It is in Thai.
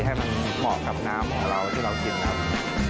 ให้มันเหมาะกับน้ำของเราที่เรากินครับ